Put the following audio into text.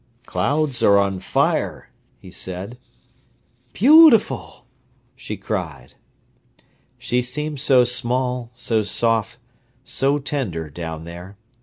"Clouds are on fire," he said. "Beautiful!" she cried. She seemed so small, so soft, so tender, down there.